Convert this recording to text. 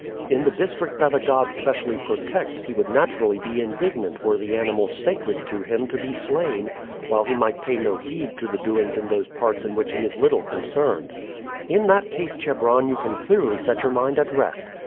In the district that a god specially protects he would naturally be indignant were the animals sacred to him to be slain, while he might pay no heed to the doings in those parts in which he is little concerned." "In that case, Chebron, you can clearly set your mind at rest.